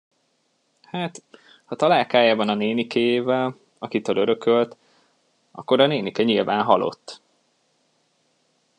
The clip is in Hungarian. Hát, ha találkája van a nénikéjével, akitől örökölt, akkor a nénike nyilván halott.